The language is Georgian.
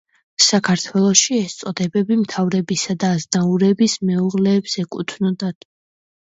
საქართველოში ეს წოდებები მთავრებისა და აზნაურების მეუღლეებს ეკუთვნოდათ.